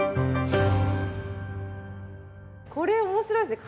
これ面白いですね。